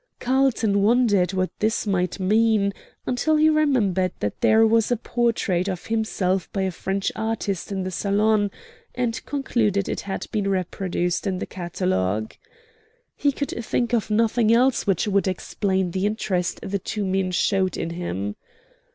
Carlton wondered what this might mean, until he remembered that there was a portrait of himself by a French artist in the Salon, and concluded it had been reproduced in the catalogue. He could think of nothing else which would explain the interest the two men showed in him.